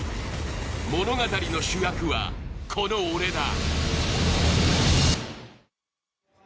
物語の主役は、この俺だ。